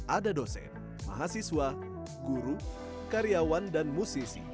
ada dosen mahasiswa guru karyawan dan musisi